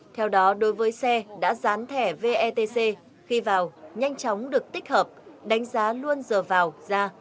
theo đó đối với xe đã dán thẻ vetc khi vào nhanh chóng được tích hợp đánh giá luôn giờ vào ra